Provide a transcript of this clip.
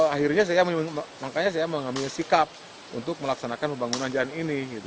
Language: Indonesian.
akhirnya saya mengambil sikap untuk melaksanakan pembangunan jalan ini